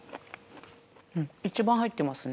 うん一番入ってますね。